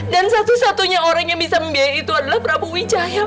dan satu satunya orang yang bisa membiayai itu adalah prabowo wijaya